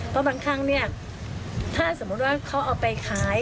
เพราะบางครั้งเนี่ยถ้าสมมุติว่าเขาเอาไปขาย